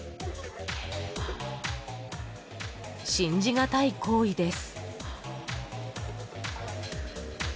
［信じ難い行為です］